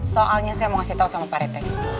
soalnya saya mau kasih tahu sama pak rete